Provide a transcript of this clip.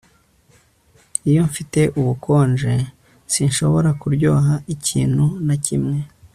Iyo mfite ubukonje sinshobora kuryoha ikintu na kimwe